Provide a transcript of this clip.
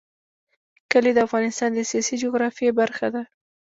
کلي د افغانستان د سیاسي جغرافیه برخه ده.